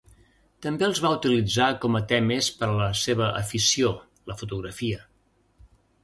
També els va utilitzar com a temes per a la seva afició, la fotografia.